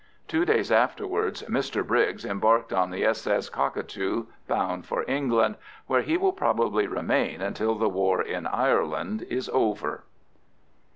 Two days afterwards Mr Briggs embarked on the s.s. Cockatoo, bound for England, where he will probably remain until the war in Ireland is over.